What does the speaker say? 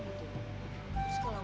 pasalnya rok yang manis